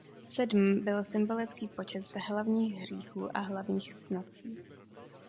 Sedm byl symbolický počet hlavních hříchů a hlavních ctností.